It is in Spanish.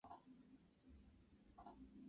Su acceso es libre y público.